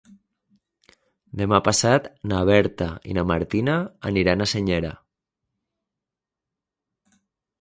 Demà passat na Berta i na Martina aniran a Senyera.